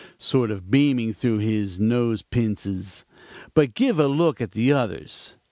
sort of beaming through his nose pinzes. 'But give a look at the others.'